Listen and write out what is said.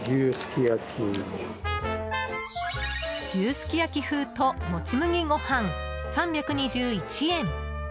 牛すき焼き風ともち麦ごはん３２１円。